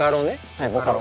はいボカロ。